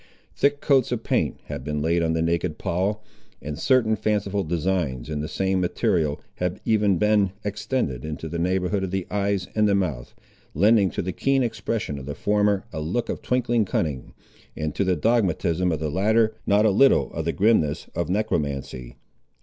Thick coats of paint had been laid on the naked poll, and certain fanciful designs, in the same material, had even been extended into the neighbourhood of the eyes and mouth, lending to the keen expression of the former a look of twinkling cunning, and to the dogmatism of the latter, not a little of the grimness of necromancy.